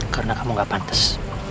karena kamu gak pantas